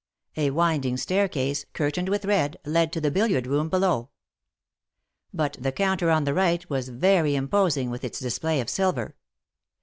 A winding staircase, curtained with' red, led to the billiard room below. But the counter on the right was very imposing with its display of silver.